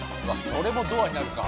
それもドアになるか。